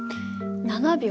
７秒。